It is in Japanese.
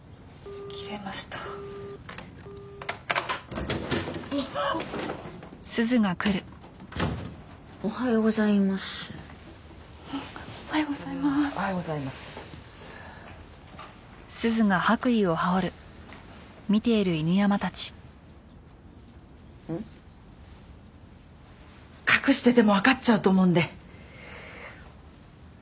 隠しててもわかっちゃうと思うんで。